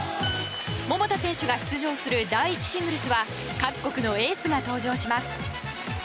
桃田選手が出場する第１シングルスは各国のエースが登場します。